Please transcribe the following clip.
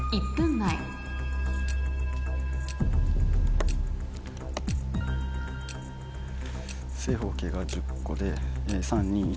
前正方形が１０個で３・２・１。